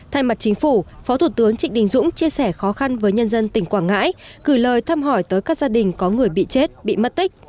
thay mặt chính phủ phó thủ tướng trịnh đình dũng chia sẻ khó khăn với nhân dân tỉnh quảng ngãi gửi lời thăm hỏi tới các gia đình có người bị chết bị mất tích